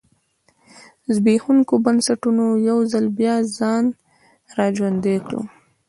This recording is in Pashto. زبېښونکو بنسټونو یو ځل بیا ځان را ژوندی کړ.